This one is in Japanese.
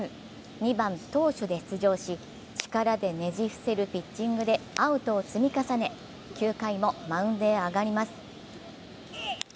２番・投手で出場し、力でねじ伏せるピッチングでアウトを積み重ね、９回もマウンドへ上がります。